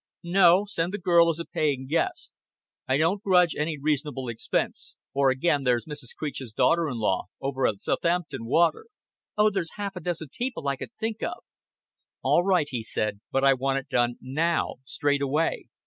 "No, send the girl as a paying guest. I don't grudge any reasonable expense. Or again there's Mrs. Creech's daughter in law, over at S'thaampton Water." "Oh, there's half a dozen people I could think of " "All right," he said; "but I want it done now, straight away.